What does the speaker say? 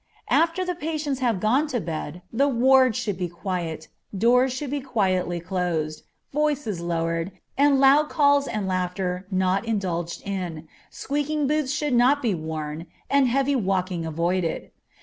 _ After the patients have gone to bed the ward should be quiet, doors should be quietly closed, voices lowered, and loud calls and laughter not indulged in, squeaking boots should not be worn, and heavy walking avoided.